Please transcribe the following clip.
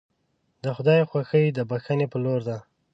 د خدای خوښي د بښنې په لور ده.